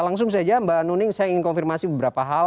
langsung saja mbak nuning saya ingin konfirmasi beberapa hal